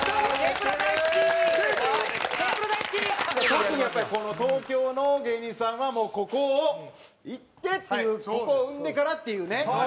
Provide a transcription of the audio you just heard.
特にやっぱりこの東京の芸人さんはもうここをいってっていうここを踏んでからっていうね。